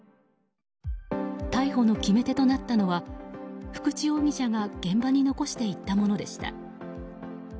逮捕の決め手となったのは福地容疑者が現場に残していったものでした。